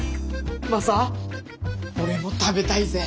マサ俺も食べたいぜ。